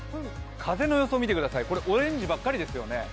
風の予想を見てください、オレンジばかりですよね。